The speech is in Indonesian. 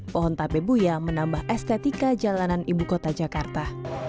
pohon tabebuya menambah estetika jalanan ibu kota jakarta